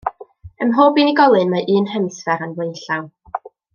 Ym mhob unigolyn, mae un hemisffer yn flaenllaw.